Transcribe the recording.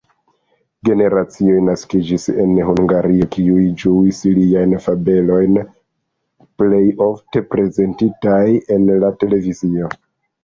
Generacioj naskiĝis en Hungario, kiuj ĝuis liajn fabelojn, plej ofte prezentitaj en la televizio.